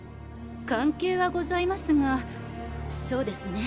関係はございますがそうですね